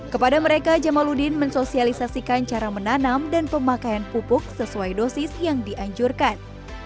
kepada mereka jamaludin mensosialisasikan cara menanam dan pemakaian pupuk sesuai dosis yang dianjurkan